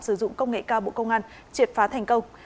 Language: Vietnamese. sử dụng công nghệ cao bộ công an triệt phá thành công